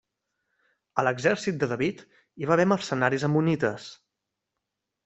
A l'exèrcit de David hi va haver mercenaris ammonites.